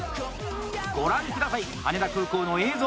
ご覧下さい、羽田空港の映像。